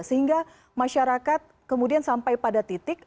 sehingga masyarakat kemudian sampai pada titik